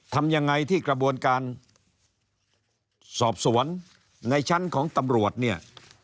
ทำยังไงที่กระบวนการสอบสวนในชั้นของตำรวจเนี่ย